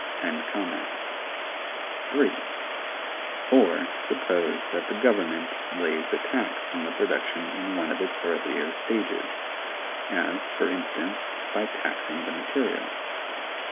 (3) [Or] suppose that the Government lays a tax on the production in one of its earlier stages, as, for instance, by taxing the material.